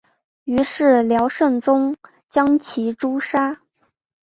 于是辽圣宗将其诛杀。